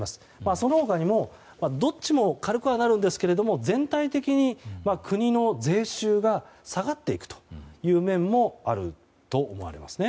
その他にもどっちも軽くはなるんですけど全体的に国の税収が下がっていくという面もあると思われますね。